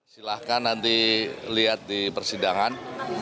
silahkan nanti lihat di persidangan